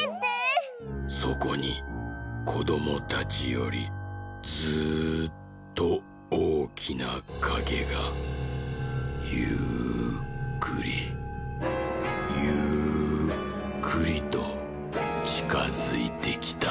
「そこにこどもたちよりずっとおおきなかげがゆっくりゆっくりとちかづいてきた」。